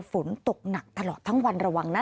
ฝนตกหนักตลอดทั้งวันระวังนะ